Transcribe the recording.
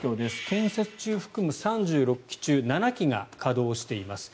建設中含む３６基中７基が稼働しています。